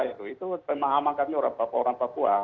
itu pemahamankan orang papua